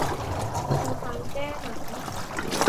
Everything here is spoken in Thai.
มีท่าแก้ไหม ?